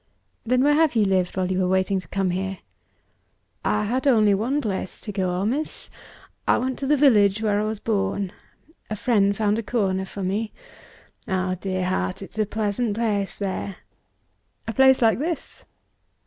"Then where have you lived, while you were waiting to come here?" "I had only one place to go to, miss; I went to the village where I was born. A friend found a corner for me. Ah, dear heart, it's a pleasant place, there!" "A place like this?"